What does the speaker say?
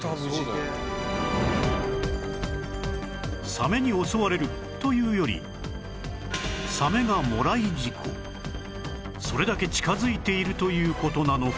サメに襲われるというよりそれだけ近づいているという事なのか